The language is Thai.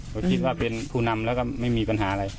เขาคิดว่าเป็นผู้นำแล้วก็ไม่มีปัญหาอะไร